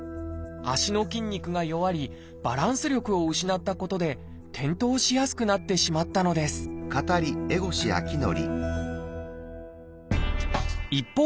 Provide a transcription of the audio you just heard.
足の筋肉が弱りバランス力を失ったことで転倒しやすくなってしまったのです一方